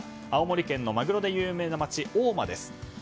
青森県のマグロで有名な町大間です。